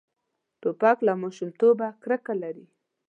توپک له ماشومتوبه کرکه لري.